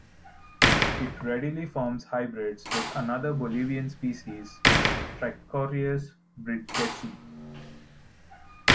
It readily forms hybrids with another Bolivian species, Trichocereus bridgesii.